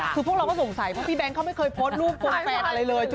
คือพวกเราก็สงสัยเพราะพี่แบงค์เขาไม่เคยโพสต์รูปโกงแฟนอะไรเลย